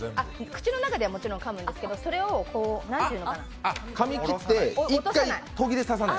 口の中ではもちろんかむんですけど、それを、何ていうのかな。